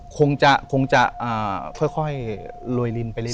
คงจะค่อยโรยลินไปเรื่อ